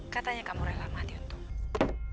katanya kamu tidak mati untuk